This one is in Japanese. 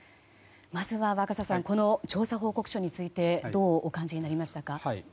まずは若狭さん調査報告書についてどうお感じになりましたか。